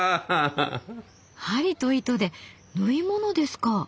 針と糸で縫い物ですか。